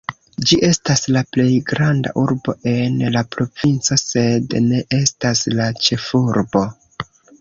Ĝi estas la plej granda urbo en la provinco sed ne estas la ĉefurbo.